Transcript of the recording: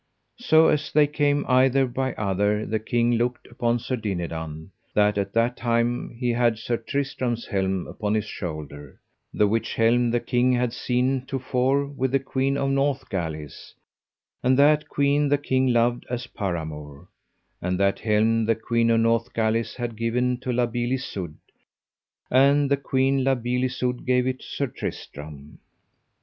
So as they came either by other the king looked upon Sir Dinadan, that at that time he had Sir Tristram's helm upon his shoulder, the which helm the king had seen to fore with the Queen of Northgalis, and that queen the king loved as paramour; and that helm the Queen of Northgalis had given to La Beale Isoud, and the queen La Beale Isoud gave it to Sir Tristram.